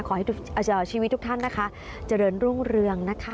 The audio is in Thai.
ขอให้ชีวิตทุกท่านนะคะเจริญรุ่งเรืองนะคะ